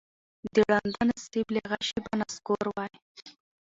د ړانده نصیب له غشي به نسکور وای